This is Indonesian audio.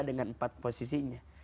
dengan empat posisinya